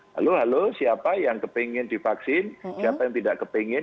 lalu halo siapa yang kepingin divaksin siapa yang tidak kepingin